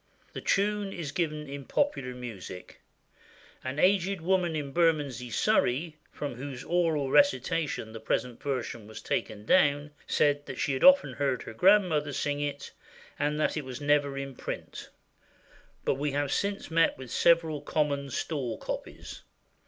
The tune is given in Popular Music. An aged woman in Bermondsey, Surrey, from whose oral recitation the present version was taken down, said that she had often heard her grandmother sing it, and that it was never in print; but we have since met with several common stall copies.